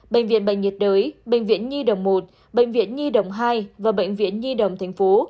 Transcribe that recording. bệnh viện bệnh nhiệt đới bệnh viện nhi đồng một bệnh viện nhi đồng hai và bệnh viện nhi đồng tp